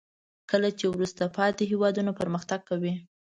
کله چې وروسته پاتې هیوادونه پرمختګ کوي.